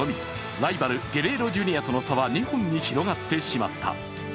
ライバル、ゲレーロ・ジュニアとの差は２本に広がってしまった。